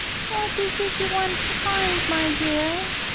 "What is it you want to find, my dear?"